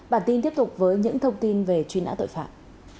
bản tin tiếp tục với những thông tin về truy nã tội phạm